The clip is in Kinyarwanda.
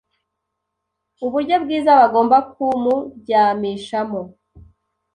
uburyo bwiza bagomba kumuryamishamo.